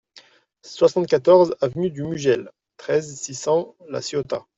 soixante-quatorze avenue du Mugel, treize, six cents, La Ciotat